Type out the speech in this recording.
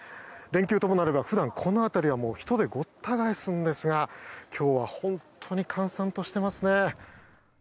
連休ともなれば、普段この辺りは人でごった返すんですが今日は本当に閑散としていますね。